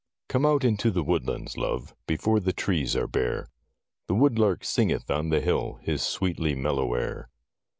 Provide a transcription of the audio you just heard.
COME out into the woodlands, love, Before the trees are bare ; The woodlark singeth on the hill His sweetly mellow air.